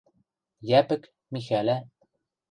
Йӓпӹк, Михӓлӓ.